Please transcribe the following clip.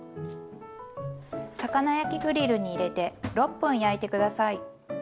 魚焼きグリルに入れて６分焼いて下さい。